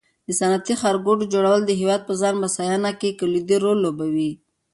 د صنعتي ښارګوټو جوړول د هېواد په ځان بسیاینه کې کلیدي رول لوبوي.